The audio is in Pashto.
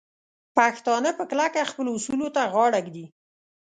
پښتانه په کلکه خپلو اصولو ته غاړه ږدي.